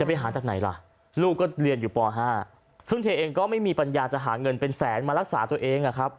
ไปหาจากไหนล่ะลูกก็เรียนอยู่ป๕ซึ่งเธอเองก็ไม่มีปัญญาจะหาเงินเป็นแสนมารักษาตัวเองอะครับ